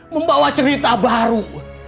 membawa cerita baru